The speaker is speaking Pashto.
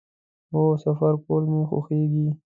هو، سفر کول می خوښیږي